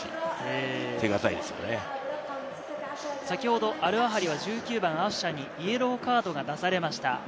先ほどアルアハリは１９番・アフシャにイエローカードが出されました。